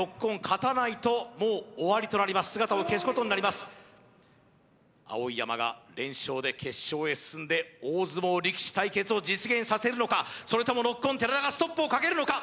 さあここで姿を消すことになります碧山が連勝で決勝へ進んで大相撲力士対決を実現させるのかそれともノッコン寺田がストップをかけるのか？